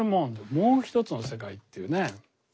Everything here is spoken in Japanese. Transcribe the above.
「もうひとつの世界」っていうね。